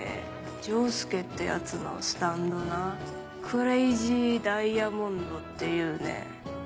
仗助ってヤツのスタンドなクレイジー・ダイヤモンドっていうねん。